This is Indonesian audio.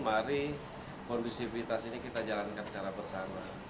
mari kondusivitas ini kita jalankan secara bersama